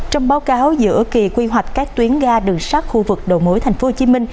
trong báo cáo giữa kỳ quy hoạch các tuyến ga đường sắt khu vực đầu mối tp hcm